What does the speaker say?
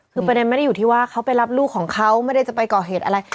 คือประเด็นไม่ได้อยู่ที่ว่าเขาไปรับลูกของเขาไม่ได้จะไปก่อเหตุอะไร